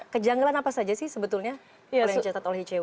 kejanggalan apa saja sih sebetulnya boleh dicatat oleh icw